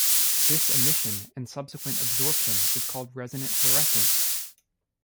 This emission and subsequent absorption is called resonant fluorescence.